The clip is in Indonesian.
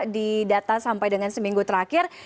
di data sampai dengan seminggu terakhir